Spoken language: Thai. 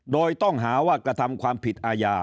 โดยต้องหาว่ากระทำความผิดอาญา